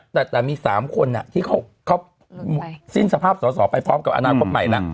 แต่มี๓คนที่เขาสิ้นสภาพสอสอไปพร้อมกับอนาคตใหม่แล้ว